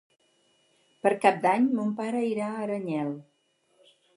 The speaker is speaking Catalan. Per Cap d'Any mon pare irà a Aranyel.